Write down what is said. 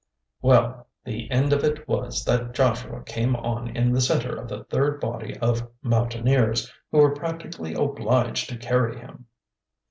Well, the end of it was that Joshua came on in the centre of the third body of Mountaineers, who were practically obliged to carry him.